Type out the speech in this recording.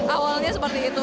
awalnya seperti itu